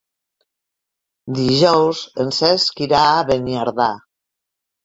Dijous en Cesc irà a Beniardà.